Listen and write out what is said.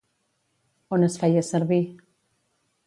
On es feia servir?